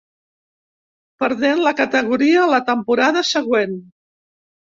Perdent la categoria la temporada següent.